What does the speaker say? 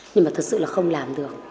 nhưng mà thật sự là không làm được